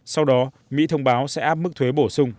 sau đó mỹ thông báo sẽ áp mức thuế bổ sung